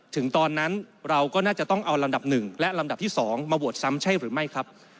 ถึงตอนนั้นเราก็น่าจะต้องเอาลำดับ๑และลำดับที่๒มาโหวตซ้ำใช่หรือไม่ครับ